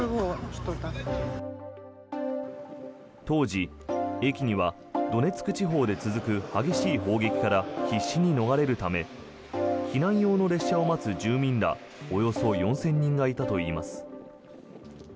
当時、駅にはドネツク地方で続く激しい砲撃から必死に逃れるため避難用の列車を待つ住民らおよそ４０００人がいたといいます。